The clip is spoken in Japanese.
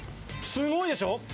すごいでしょ。